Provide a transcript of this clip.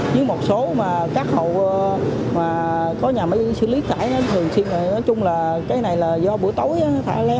nhưng một số mà các hậu mà có nhà máy xử lý tải thường xuyên là cái này là do buổi tối thả lén